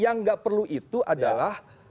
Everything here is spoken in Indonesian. yang nggak perlu itu adalah